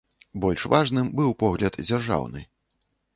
Больш важным быў погляд дзяржаўны.